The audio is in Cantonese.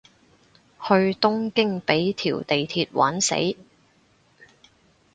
去東京畀條地鐵玩死